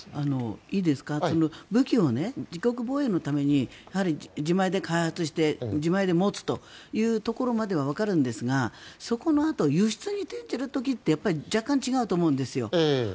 武器を自国防衛のために自前で開発して自前で持つというところまではわかるんですがそこのあと、輸出に転じる時って若干違うと思うんですよ。